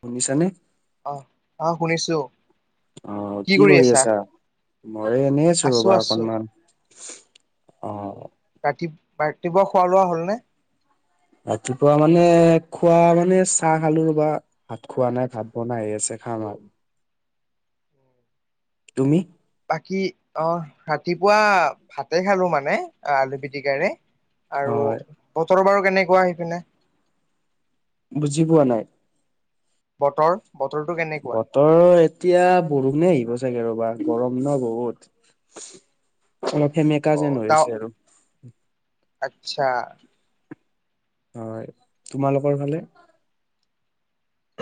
শুনিছানে? অ অ শুনিছো। অ কি কৰি আছা? মৰে এনেই আছো ৰবা অকনমান। অ। ৰাতি ৰাতিপুৱা খোৱা বোৱা হ'লনে? ৰাতিপুৱা মানে খোৱা মানে চাহ খালো ৰবা! ভাত খোৱা নাই, ভাত বনাই আহ আছে খাম আৰু। [inaudible] তুমি? বাকী অ ৰাতিপুৱা ভাতে খালো মানে আলু পিটিকাৰে। আৰু হয়, বতৰৰ বাৰু কেনেকুৱা সেই পিনে। বুজি পোৱা নাই। বতৰ বতৰটো কেনেকুৱা। বতৰ এতিয়া বৰষুণে আহিব চাগে ৰ'বা গৰম ন বহুত। অলপ সেমে। অ ডাৱ আচ্ছা। হয় তোমালোকৰ ফালে।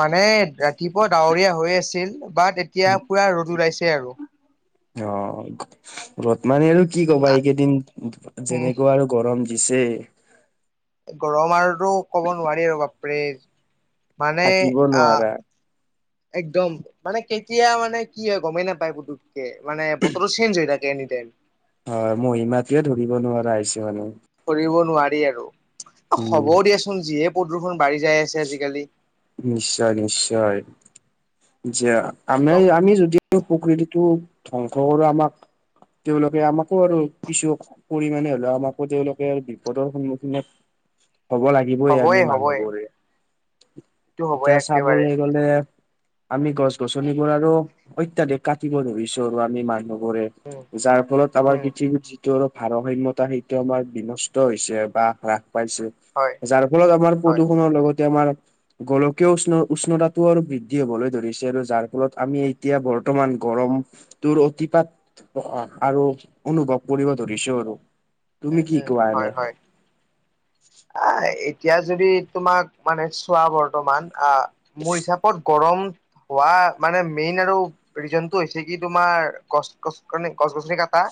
মানে ৰাতিপুৱা ডাৱৰীয়া হৈ আছিল বাট। এতিয়া পুৰা ৰ'দ ওলাইছে আৰু অ। ৰদ মানে আৰু কি কবা এইকেইদিন যেনেকুৱা আৰু গৰম দিছে। গৰম আৰুটো ক'ব নোৱাৰি আৰু বাপৰে মানে থাকিব আহ। নোৱাৰা। একদম মানে কেতিয়া মানে কি হয় গমেই নাপায় পুতুককে মানে বতৰো চেঞ্জ হৈ থা কে এনিটাইম। হয় মহিমাটোয়ে ধৰিব নোৱাৰা আহিছো মানে। ধৰিব নোৱাৰি আৰু উম। হ'ব দিয়াচোন যিয়ে প্ৰদূষণ বাঢ়ি যাই আছে আজিকালি। নিশ্চয় নিশ্চয় যে। আমি একদম। আমি যদিও প্ৰকৃতিটো ধ্বংস কৰো আমাক। তেওঁলোকে আমাকো আৰু কিছু। পৰিমাণে হলেও আমাকো তেওঁলোকে বিপদৰ সন্মুখীনে হব লাগি বই হ'বই আমি হ'বই মানুহবোৰে এইটো হ'বই এতিয়া একেবাৰে চাবলে গলে। আমি গছ গছনিবোৰ আৰু অত্যাধিক কাটিব ধৰিছো আৰু আমি মানুহ। বোৰে উম যাৰ ফলত আমাৰ উম পৃথিৱীত যিটো আৰু ভাৰসাম্যতা সেই। সেইটো আমাৰ বিনষ্ট হৈছে বা হ্ৰাস পাইছে হয় যাৰ ফলত আমাৰ হয়। প্ৰদূষণৰ লগত। তে আমাৰ গোলকীয় উষ্ণ উষ্ণতাও আৰু বৃদ্ধি হবলৈ ধৰিছে আৰু যাৰ। ফলত আমি উম এতিয়া বৰ্তমান গৰম তোৰ অতিপাত। অ অ আৰু অনুভৱ কৰিব ধৰিছো আৰু উম তুমি কি উম কোৱা হয় এনে? হয় আহ এতিয়া যদি তোমাক মানে চোৱা বৰ্তমান আ মোৰ হিচাপত গৰম হোৱা মানে মেইন আৰু ৰিজনটো হৈছে কি তোমাৰ গছ, গছ গছ- গছনি কাটা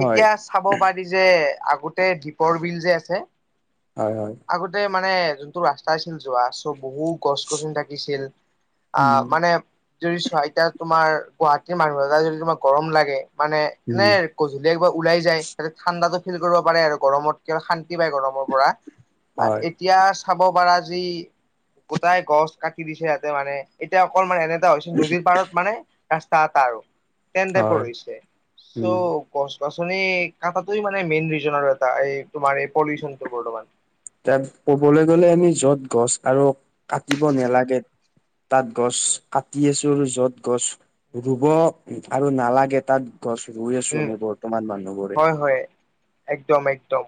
হয় এতিয়া চাব পাৰি যে আগতে দীপৰ বিল যে আছে। হয় হয়। আগতে মানে যোনটো ৰাস্তা আছিল যোৱা চ' বহুত। গছ গছনি থাকিছিল আ উম মানে। যদি চোৱা এতিয়া তোমাৰ গুৱাহাটীৰ মানুহ এটা যদি তোমাৰ গৰম লাগে মানে এনে। গধূলি একবাৰ ওলাই যায় তাতে ঠাণ্ডাটো ফিল কৰিব পাৰে আৰু গৰমত কিবা শান্তি পায় গৰমৰ পৰা। বাত এক। হয় এতিয়া চাব পাৰা যি গোটাই গছ কাটি দিছে এয়াতে মানে এতিয়া অকলমান এনে। এটা হৈছে নদীৰ পাৰত মানে ৰাস্তা এটা আৰু ন টাইপৰ হয় হৈছে চৌ উম গছ- গছনি কটাটো মানে মেইন ৰিজন আৰু এটা এই তোমাৰ এই পলিউশনটো বৰ্তমান তাত ক'বলৈ গ'লে আমি য'ত গছ আৰু কাটিব নালাগে। তাত গছ, কাটি আছো আৰু যত গছ ৰুব আৰু নালাগে। তাত গছ ৰুই আছো উম আমি বৰ্তমান মানুহবোৰে হয় হয় একদম একদম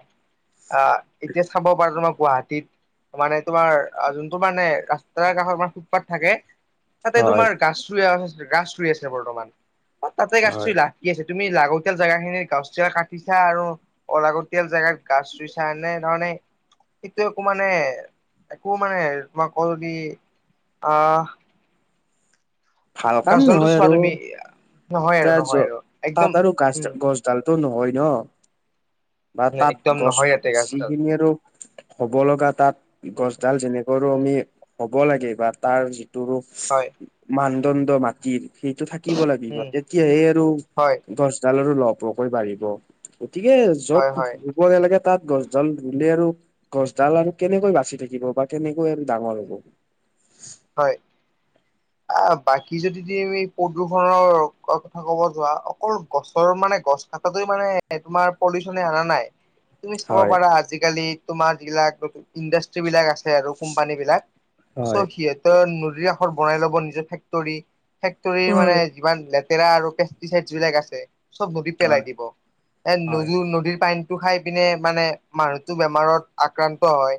আহ এতিয়া চাব পাৰা তোমাৰ গুৱাহাটীত মানে তোমাৰ যোনটো মানে ৰাস্তাৰ কাষত মানে ফুটপাথ থাকে। তাতে হয় তোমাৰ গাছ ৰুই আছে গাছ ৰুই আছে বৰ্তমান অ তাতে গাছ হয়। ৰুই লাভ কি আছে। তুমি লাগতিয়াল জোগা খিনিৰ গছ গিলা কাটিছা আৰু অলাগতিয়াল জেগাত গাছ ৰুইছা এনে ধৰণে সেইটো একো মানে। একো মানে তোমাক ক যদি আহ- ভাল কাম গছডালটো নহয়। চোৱা আৰু তুমি নহয় আৰু এতিয়া জ নহয় আৰু একদম কাঠ আৰু গাছ উম গছডালটো নহয় ন বা তাত একদম গছ নহয় ইয়াতে গাছডাল যিখিনি আৰু হ'ব লগা তাত উম গছডাল যেনে কৰ উম আমি হ'ব লাগে বা তাৰ যিটো ৰুপ হয়। মানদণ্ড মাটিৰ সেইটো থাকিব লাগিব উম তেতিয়াহে আৰু হয় গছ ডাল আৰু লহপহকৈ বাঢ়িব গতিকে হয় য'ত- হয় মই এনেকে তাত গছডাল ৰুলে আৰু গছ ডাল আৰু কেনেকৈ বাচি থাকিব বা কেনেকৈ আৰু ডাঙৰ হ'ব। হয়। আহ বাকী যদি তুমি প্ৰদূষনৰ, কথা কব যোৱা। অকল গছৰ মানে গছ কটাটো মানে তোমাৰ পলিউচনে অনা নাই। তুমি চাব হয় পাৰ আজিকালি তোমাৰ যিবিলাক নতুন ইণ্ডাষ্ট্ৰ্ৰী বিলাক আছে আৰু কোম্পানী বিলাক হয় চব সিহতে- নদীৰ কাষৰ বনাই ল'ব, নিজৰ ফেক্টৰী, ফেক্টৰী হয় মানে- ইমান লেতেৰা আৰু পেষ্টিচাইড বিলাক আছে। চব নদীত পেলাই হয় দিব, এ হয় নদ- নদীৰ পানী- টো খাই পিনে মানে মানুহতো বেমাৰত আক্ৰান্ত হয়।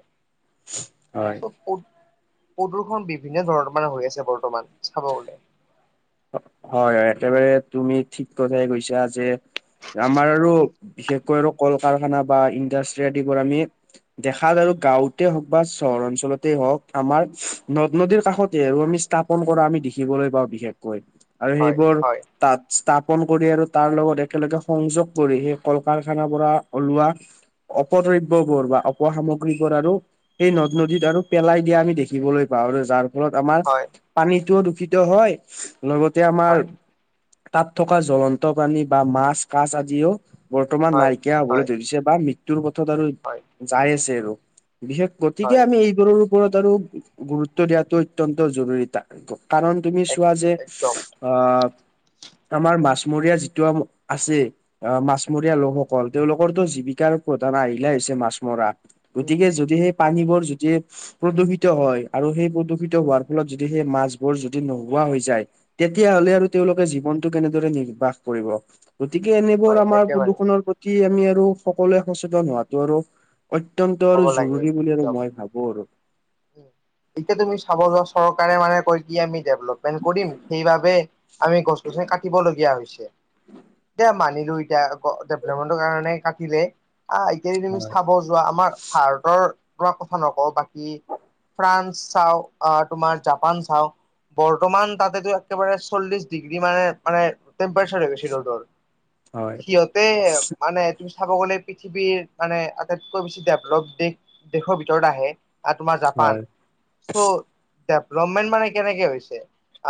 হয় প্ৰদূষণ, বিভিন্ন বিভিন্ন ধৰণৰ মানে হৈ আছে বৰ্তমান চাব গলে। হয়, হয়। একেবাৰে তুমি ঠিক কথাই কৈছা যে আমাৰ আৰু বিশেষকৈ আৰু কল কাৰখানা বা ইণ্ডাষ্ট্ৰি আদিবোৰ আমি- দেখাত আৰু গাওঁতে হওক বা চহৰ অঞ্চলতে হওঁক আমাৰ নদ -নদীৰ কাষতে আৰু আমি। পন কৰা আমি দেখিবলৈ পাওঁ বিশেষকৈ আৰু হয় সেইবোৰ হয় তাত স্থাপন কৰি আৰু তাৰ লগত একেলগে সংযোগ কৰি সেই কল -কাৰখানাৰ পৰা ওলোৱা- অপদ্ৰব্যবোৰ বা অপসামগ্ৰীবোৰ আৰু- সেই নদ- নদীত আৰু পেলাই দিয়া আমি দেখিবলৈ পাওঁ আৰু যাৰ ফলত আমাৰ হয় পানীটোও দূষিত হয় লগতে আমাৰ হয় তাত থকা জ্বলন্ত প্ৰানী বা মাছ, কাছ আদিও বৰ্তমান হয় নাইকিয়া হয় হ'বলৈ ধৰিছে বা মৃত্যুৰ পথত আৰু হয়। যাই আছে আৰু বিশেষ গতিকে হয় আমি এই- আৰু গুৰুত্ব দিয়টো অত্যন্ত জৰুৰী কাৰণ তুমি এক কোৱা যে একদম আহ আমাৰ মাছমৰীয়া যিটো আছে। অ, মাছমৰীয়া লোকসকল তেওঁলোকৰো জীৱিকাৰ প্ৰধান আহিলে হৈছে। মাছ মৰা। গতিকে যদি সেই পানীবোৰ যদি প্ৰদূষিত হয় আৰু সেই প্ৰদূষিত, হোৱাৰ ফলত যদি সেই মাছবোৰ যদি নোহো- হ তেতিয়াহলে আৰু তেওঁলোকে জীৱনটো কেনেদৰে নিৰ্বাহ কৰিব। গতিকে এনেবোৰ হয় আমাৰ একেবাৰে প্ৰদূষনৰৰ প্ৰতি আমি আৰু সকলোৱে সচেতন হোৱাতো আৰু অত্যন্ত হ'ব আৰু লাগে জৰুৰী বুলি আৰু একদম মই ভাবো আৰু এতিয়া তুমি চাব যোৱা চৰকাৰে মানে কৈ তি আমি ডেভেলপমেণ্ট কৰিম সেই বাবে আমি গছ- গছনি কাটিব লগীয়া হৈছে। দে মানিলো এতিয়া ক ডেভলপমেণ্টৰ কাৰণে কাটিলে আহ এতিয়াই তুমি হয় চাব যোৱা আমাৰ ভাৰতৰ পৰা কথা নকওঁ বাকী ফ্ৰান্স চাওঁ, আহ তোমাৰ জাপান চাওঁ। বৰ্তমান তাতেতো একেবাৰে চল্লিশ ডিগ্ৰী মানে, মানে টেম্পেচাৰ হৈ গৈছে ৰদৰ। হয় হয়। সিহঁতে মানে তুমি চাব গ'লে পৃথিৱীৰ মানে আটাইতকৈ বেছি ডেভ- লভ দেশ দেশৰ ভিতৰত আহে তোমাৰ জাপান হয় চ' ডেভেলপমেণ্ট মানে কেনেকে হৈছে,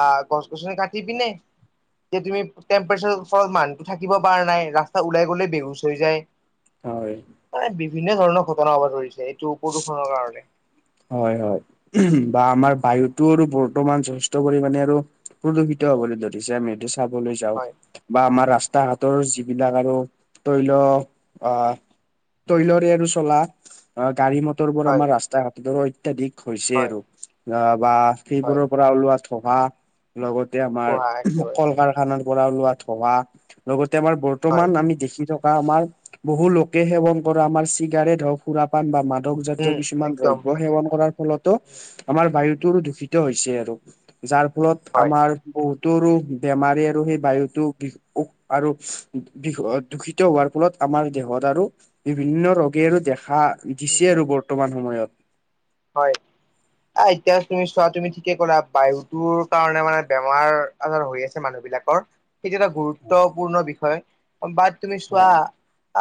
আ'হ গছ- গছনি কাটি পিনে। এতিয়া তুমি টেম্পেচাৰ ওপৰত মানুহ থাকিব পাৰা নাই ৰাস্ত ওলাই গলেই বেহুচ হৈ যায়। [unintelligible] হয়। হয়, বিভিন্ন ধৰণৰ ঘটনা হ'ব ধৰিছে এইটো প্ৰদূষণৰ কাৰণে। হয় হয় বা আমাৰ বায়ুটো আৰু বৰ্তমান যথেষ্ট পৰিমানে আৰু প্ৰদূষিত হবলৈ ধৰিছে আমি সেটো চাবলৈ যাওঁ হয় বা আমাৰ ৰাস্তা উম, ঘাটৰ যি- হয় বিলাক আৰু তৈল অ তৈলৰে আৰু উম, চলা অ গাড়ী মটৰ বোৰ হয় আমাৰ ৰাস্তা ঘাট দূৰৈত অত্যাধিক হৈছে হয় আৰু আহ বা হয়। সেইবোৰৰ পৰা ওলোৱা থকা লগতে আমাৰ কোৱা একেবাৰে কল কাৰখানাৰ পৰা ওলোৱা ধোৱা লগতে আমাৰ বৰ- হয় বৰ্তমান আমি দেখি থকা আমাৰ বহু লোকে সেৱন কৰা আমাৰ চিগাৰেট হওক সুৰাপান বা মাদক জাতীয় উম কিছুমান একদম দ্ৰব্য- সেৱন কৰাৰ ফলতো উম, আমাৰ বায়ুটোৰ দূষিত হৈছে আৰু যাৰ ফলত হয় আমাৰ বহুতোৰো বেমাৰী আৰু সেই বায়ুতো বি- আৰু দূষিত হোৱাৰ ফলত আমাৰ দেহত আৰু বিভিন্ন ৰোগে আৰু দেখা উম, দিছে আৰু বৰ্তমান সময়ত হয় আহ এতিয়া তুমি চোৱা তুমি ঠিকে কলা বায়ুটোৰ কাৰণে মানে বেমাৰ আজাৰ হৈ আছে মানুহ বিলাকৰ সেইটাতা এটা গুৰুত্বপূৰ্ণ বিষয় বাট তুমি চোৱা হয়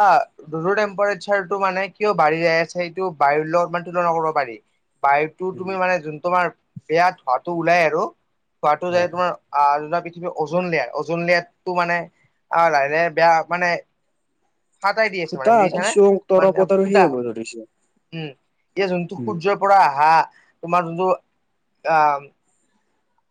অ ৰোৰু টেম্পাৰচাৰ টো মানে কিয় বাঢ়ি যাই আছে এইটো বায়ুৰ লগ মানে তুলনা কৰিব পাৰি। বায়ুটো উম তুমি মানে যোন তোমাৰ বেয়া ধোৱাটো ওলাই আৰু ধোৱাটো যায় হয় তোমাৰ আহ আৰু এটা পৃথিৱী অজন লেয়াৰ অজন লেয়াৰটো মানে আ লাহ লাহে বেয়া মানে হাতাই দি আছে মানে খুটা বুজিছানে কিছু মানে তৰপত আৰু সেই ফুটা হ'ব ধৰিছে। উম এতিয়া যোনটো উম সূৰ্য পৰা আহা তোমাৰ যোনটো আহ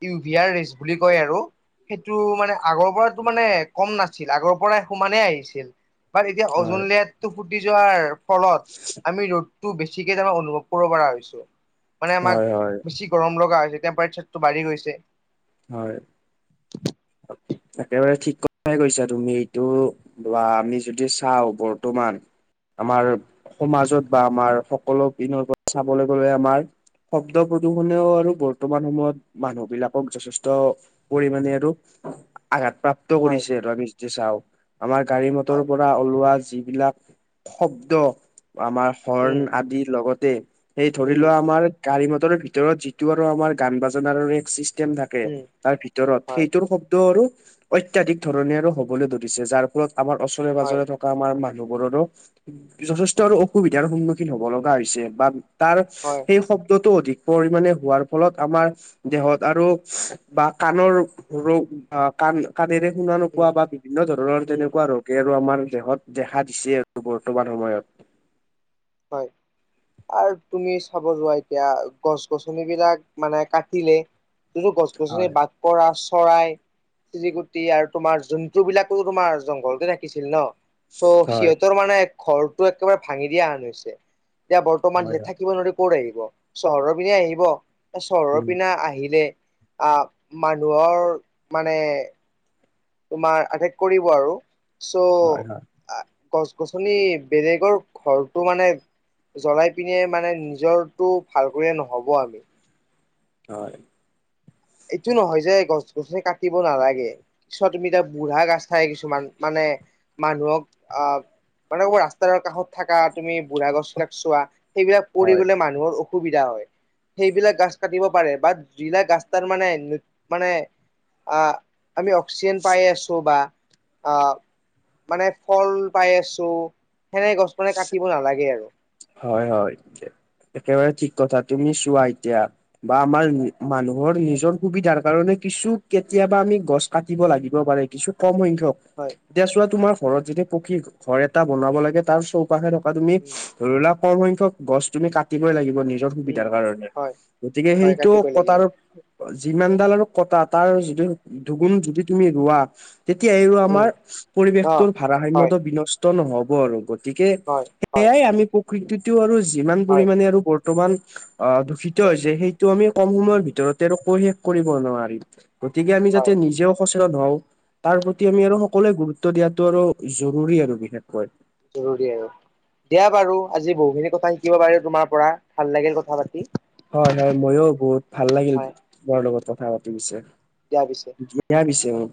ইউভিয়াৰ ৰেচ বুলি কয় আৰু সেইটো মানে আগৰ পৰাতো মানে কম নাছিল আগৰ পৰা সমানে আহিছিল। বাৰ এতিয়া অজন হয় লেয়াৰটো ফুটি যোৱাৰ ফলত আমি ৰ'দ টো বেছিকে তাৰ অনুভৱ কৰিব পৰা হৈছো মানে আমাক হয় হয় বেছি গৰম লগা হৈছে টেম্পাচাৰ টো বাঢ়ি গৈছে। হয়। একেবাৰে ঠিক কথাই কৈছা তুমি এইটো। বা আমি যদি চাওঁ বৰ্তমান আমাৰ সমাজত বা আমাৰ সকলো পিনৰ পৰা চাবলৈ গ'লে আমাৰ শব্দ প্ৰদূষণেও আৰু বৰ্তমান সময়ত মানুহ বিলাকক যথেষ্ট পৰিমানে আৰু আঘাত প্ৰাপ্ত হয় কৰিছে আৰু আমি যদি চাওঁ। আমাৰ গাড়ী মটৰৰ হয় পৰা ওলোৱা যিবিলাক শব্দ আমাৰ হৰ্ণ উম আদি লগতে সেই ধৰি উম লোৱা আমাৰ গাড়ী মটৰৰ ভিতৰত যিটো আৰু আমাৰ গান বাজানাৰ এক চিষ্টেম থাকে উম তাৰ ভিতৰত হয় সেই শব্দ আৰু অত্যাধিক ধৰণে আৰু হ'বলৈ ধৰিছে যাৰ ফলত আমাৰ ওচৰে হয় পাজৰে থক- আমাৰ মানুহবোৰৰো যথেষ্ট আৰু অসুবিধাৰ সন্মুখীন হব লগা হৈছে বা তাৰ হয় সেই শব্দটো অধিক। পৰিমাণে হোৱাৰ ফলত আমাৰ দেহত আৰু বা কাণৰ ৰো ৰোগ। অ কাণ কাণেৰে শুনা উম নোপোৱা বা বিভিন্ন ধৰণৰ উম তেনেকুৱা ৰো- কে আৰু আমাৰ দেহত দেখা দিছে আৰু বৰ্তমান সময়ত। হয়। আৰু তুমি চাব যোৱা এতিয়া গছ গছনিবিলাক মানে কাটিলে। যিটো গছ গছনি হয় বাট পৰা চৰাই। চিৰিকুটি আৰু তোমাৰ জন্তু বিলাকো তোমাৰ জংঘলতে থাকিছিল ন। ত হয় সিহঁতৰ মানে ঘৰটো একেবাৰে ভাঙি দিয়া হান হৈছে। এতিয়া বৰ্তমান হয় সে হয় থাকিব নোৱাৰি কৰ আহিব চহৰৰ পিনে আহিব। চহৰৰ উম পিনা আহিলে আহ মানুহৰ মানে তোমাৰ আটেক কৰিব আৰু চ হয় হয়। আ গছ-গছনি বেলেগৰ ঘৰটো মানে জ্বলাই পিনে মানে নিজৰ টো ভাল কৰিলে নহ'ব আমি। হয়। এইটো নহয় যে গছ গছনি কাটিব নালাগে। পিছোৱা তুমি এয়া বুঢ়া কাছিই কিছুমান মানে মানুহক আহ- মানে ৰাস্তাৰ কাষত থাকা তুমি বুঢ়া গছ বিলাক চোৱা। সেইবিলাক পৰি হয় গলে মানুহৰ অসুবিধা হয় সেইবিলাক গছ কাটিব পাৰে বা যিলাক গছ- তাৰ মানে মানে আহ আমি অক্সিজেন পাই আছো বা। মানে ফল পাই আছোঁ সেনে গছ মানে কাটিব নালাগে আৰু। হয় হয়, একেবাৰে ঠিক কথা তুমি চোৱা এতিয়া- বা আমাৰ মানুহৰ নিজৰ সুবিধাৰ কাৰণে কিছু কেতিয়াবা আমি গছ- কাটিব লাগিব পাৰে কিছু কম সংখ্যক। হয়। তেচুৱা তোমাৰ ঘৰত যেতিয়া পকী ঘৰ এটা বনাব লাগে তাৰ চৌপাশে থকা তুমি। উম ধৰি লোৱা সৰহ সংখ্যক গছ তুমি কাটিবই লাগিব নিজ উম সুবিধাৰ কাৰণে হয় গতিকে হয় সেইটো কাটিবই লাগিব কটাৰ যিমানডাল আৰু কটা তাৰ যি দুগুণ যদি তুমি ৰোৱা। তেতিয়া আহিব উম আমাৰ অ পৰিৱেশটোৰ হয় ভাৰাসাম্যতা বিনষ্ট নহব আৰু। গতিকে হয় হয় সেয়াই আমি প্ৰকৃতিটো আৰু যিমান হয় পৰিমাণে আৰু বৰ্তমান আহ- সিতো, একদম হৈছে সেইটো আমি কম সময়ৰ উম ভিতৰতে কৈ শেষ কৰিব নোৱাৰিম গতিকে আমি যাতে হয় নিজেও। সচেতন হওঁ তাৰ প্ৰতি আমি আৰু উম সকলোৱে গুৰুত্ব দিয়াতটো আৰু জৰুৰী আৰু বিশেষকৈ। জৰুৰী আৰু দিয়া বাৰু আজি বহু খিনি কথা শিকিব পাৰি তোমাৰ পৰা ভাল লাগিল কথা পাতি। হয় হয় ময়ো বহুত ভাল লাগিল হয় তোমাৰ লগত কথা পাতি ‍পিছে। দিয়া পিছে। দিয়া পিছে উম